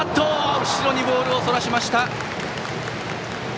後ろにボールをそらしました！